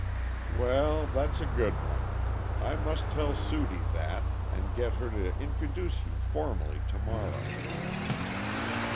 "Well, that's a good one. I must tell Sudie that, and get her to introduce you formally to morrow."